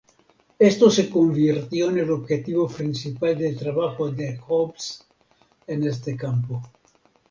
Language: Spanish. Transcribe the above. Esto se convirtió en el objetivo principal del trabajo de Hobbes en este campo.